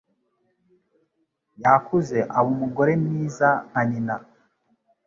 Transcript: Yakuze aba umugore mwiza nka nyina.